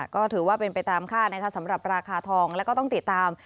ก็ถือว่าเป็นไปตามค่านะคะสำหรับราคาทองแล้วก็ต้องติดตาม